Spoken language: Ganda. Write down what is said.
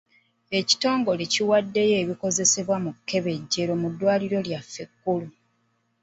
Ekitongole kiwaddeyo ebikozesebwa mu kkebejjerero mu ddwaliro lyaffe ekkulu.